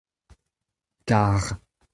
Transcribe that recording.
kar.